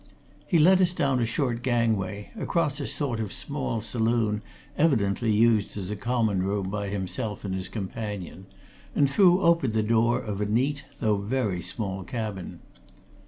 He led us down a short gangway, across a sort of small saloon evidently used as common room by himself and his companion, and threw open the door of a neat though very small cabin.